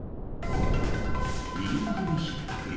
２人組ひったくり。